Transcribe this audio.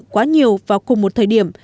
quá nhiều vào cùng một thời điểm